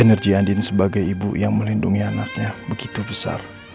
energi andin sebagai ibu yang melindungi anaknya begitu besar